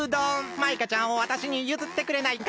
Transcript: マイカちゃんをわたしにゆずってくれないか？